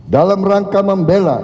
dalam rangka membela